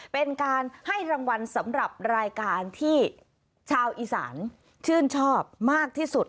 เป็นการให้รางวัลสำหรับรายการที่ชาวอีสานชื่นชอบมากที่สุด